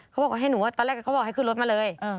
เขาบอกให้หนูว่าตอนแรกเขาบอกให้ขึ้นรถมาเลย